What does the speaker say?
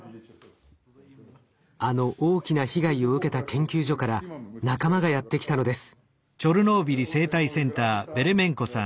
あの大きな被害を受けた研究所から仲間がやって来たのです。